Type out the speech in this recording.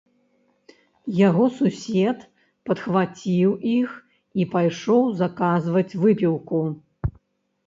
Яго сусед падхваціў іх і пайшоў заказваць выпіўку.